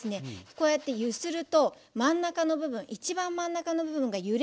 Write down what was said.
こうやって揺すると真ん中の部分一番真ん中の部分が揺れない。